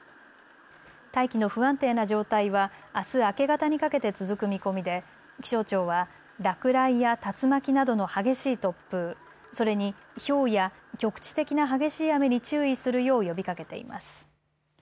大気の不安定な状態は、あす明け方にかけて続く見込みで気象庁は落雷や竜巻などの激しい突風、それにひょうや局地的な激しい雨に注意するよう呼びかけています。